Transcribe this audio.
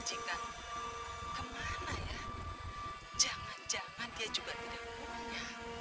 jangan jangan dia juga tidak punya